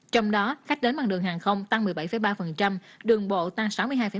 trong đó khách đến bằng đường hàng không tăng một mươi bảy ba đường bộ tăng sáu mươi hai